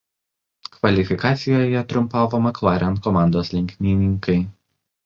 Kvalifikacijoje triumfavo McLaren komandos lenktynininkai.